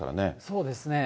そうですね。